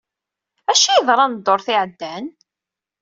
Acu i yeḍran ddurt iɛeddan?